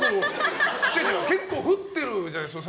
結構降ってるじゃないですか